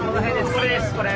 これですこれ！